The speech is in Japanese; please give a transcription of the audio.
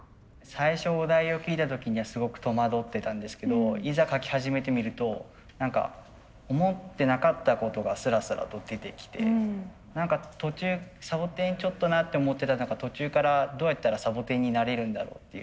最初お題を聞いた時にはすごく戸惑ってたんですけどいざ描き始めてみると何か思ってなかったことがすらすらと出てきて何か途中「サボテンちょっとな」って思ってたら途中から「どうやったらサボテンになれるんだろう」っていう